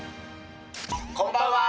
こんばんは！